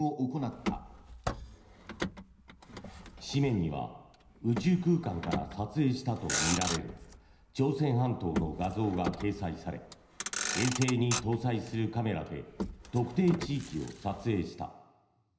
紙面には宇宙空間から撮影したとみられる朝鮮半島の画像が掲載され衛星に搭載するカメラで特定地域を撮影した。